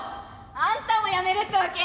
あんたもやめるってわけ？